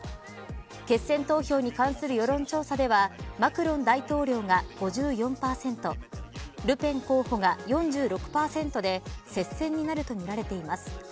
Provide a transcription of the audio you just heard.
決選投票に関する世論調査ではマクロン大統領が５４％ルペン候補は４６％で接戦になるとみられています。